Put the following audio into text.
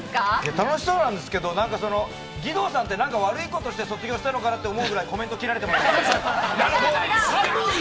楽しそうなんですけど、義堂さんて悪いことして卒業したのかなって思うくらいコメント切られてますね。